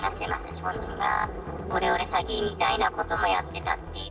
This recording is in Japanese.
本人は、オレオレ詐欺みたいなことはやっていたって。